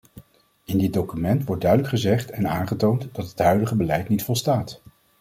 In dit document wordt duidelijk gezegd en aangetoond dat het huidige beleid niet volstaat.